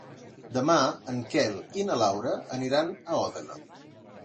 Demà en Quel i na Laura aniran a Òdena.